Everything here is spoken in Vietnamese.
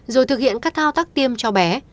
rồi thực hiện các thao tác tiêm cho bé